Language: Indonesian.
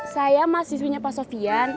saya mahasiswinya pak sofian